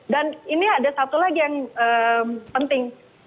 dan ini ada satu lagi yang penting